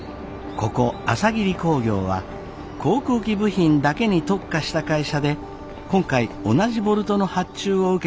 ここ朝霧工業は航空機部品だけに特化した会社で今回同じボルトの発注を受けているライバル会社です。